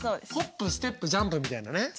ホップステップジャンプみたいなね。